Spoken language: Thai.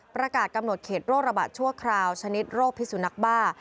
ประกาศกำหนดเขตโรคระบาดชั่วคราวชนิดโรคพิสุนักบ้า